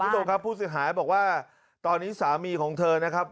ตรงค่ะผู้สิงหายบอกว่าตอนนี้สามีของเธอนะครับ